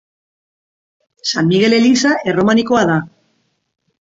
San Migel eliza erromanikoa da.